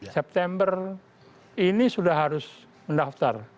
september ini sudah harus mendaftar